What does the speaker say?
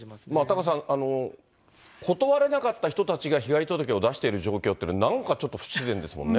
タカさん、断れなかった人たちが被害届を出している状況というのは、なんかちょっと不自然ですもんね。